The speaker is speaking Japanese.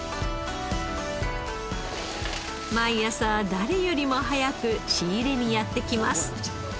毎朝誰よりも早く仕入れにやって来ます。